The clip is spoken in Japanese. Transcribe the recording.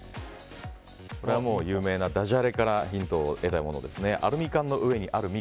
これは有名なダジャレからヒントを得たものですね。